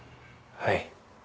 はい。